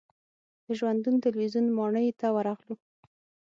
د ژوندون تلویزیون ماڼۍ ته ورغلو.